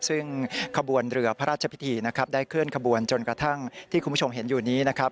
ซึ่งขบวนเรือพระราชพิธีนะครับได้เคลื่อนขบวนจนกระทั่งที่คุณผู้ชมเห็นอยู่นี้นะครับ